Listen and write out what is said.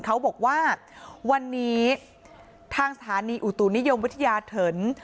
เขาบอกว่าวันนี้ทางสถานีอุตุนิยมวิทยาเถิน